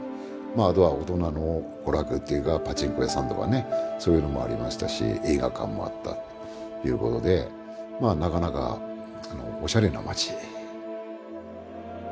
あとは大人の娯楽っていうかパチンコ屋さんとかねそういうのもありましたし映画館もあったということでまあなかなかあのオシャレな町。